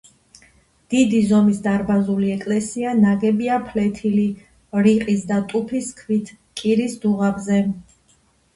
დიდი ზომის დარბაზული ეკლესია ნაგებია ფლეთილი, რიყის და ტუფის ქვით კირის დუღაბზე.